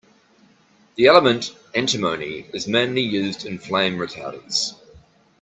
The element antimony is mainly used in flame retardants.